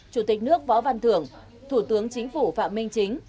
chủ tịch nước võ văn thưởng thủ tướng chính phủ phạm minh chính